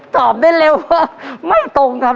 ตอบได้เร็วว่าไม่ตรงครับ